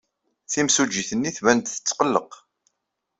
Timsujjit-nni tban-d tetqelleq.